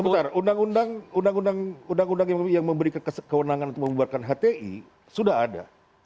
sebentar undang undang yang memberikan kewenangan untuk membuarkan hti sudah ada